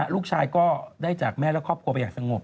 ลูกชายก็ได้จากแม่และครอบครัวไปอย่างสงบ